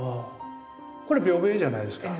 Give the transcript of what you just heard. これ屏風絵じゃないですか。